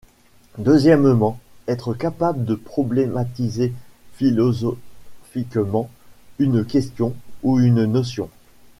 Deuxièmement, être capable de problématiser philosophiquement une question, ou une notion.